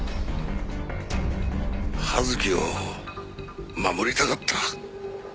葉月を守りたかった。